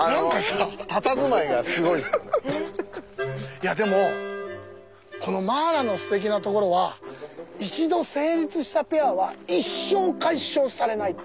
いやでもこのマーラのすてきなところは「一度成立したペアは一生解消されない」っていう。